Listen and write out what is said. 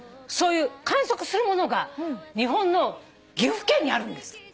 そういう観測するものが日本の岐阜県にあるんです。